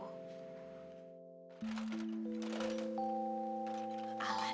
tapi lu toch nggak tahu satu dahulu